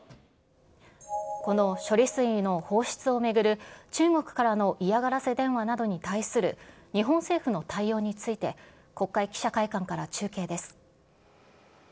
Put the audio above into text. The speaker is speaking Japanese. この処理水の放出を巡る中国からの嫌がらせ電話などに対する日本政府の対応について、国会記者会館から中継です。